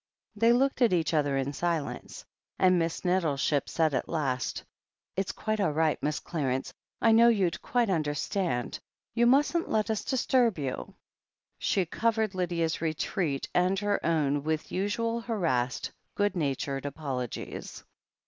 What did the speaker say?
They looked at each other in silence, and Miss Nettle ship said at last : "It's quite all right, Mrs. Clarence — I knew you'd quite understand — ^you mustn't let us disturb you " She covered Lydia's retreat and her own with her usual harassed, good natured apologies.